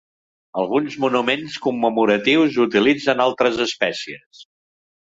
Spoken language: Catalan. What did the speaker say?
Alguns monuments commemoratius utilitzen altres espècies.